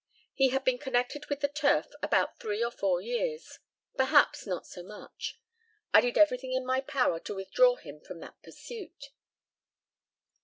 He had been connected with the turf about three or four years perhaps not so much. I did everything in my power to withdraw him from that pursuit.